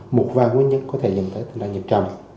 một vài nguyên nhân có thể dẫn tới tình trạng nhiệp chậm